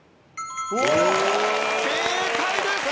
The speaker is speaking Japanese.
正解です！